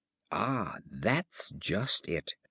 "Ah, that's just it.